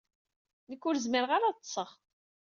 Nekk ur zmireɣ ara ad ṭṭseɣ.